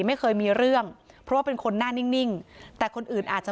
ไม่เคยมีเรื่องเพราะว่าเป็นคนหน้านิ่งแต่คนอื่นอาจจะ